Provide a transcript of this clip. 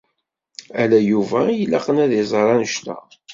Ala Yuba i ilaqen ad iẓeṛ anect-a.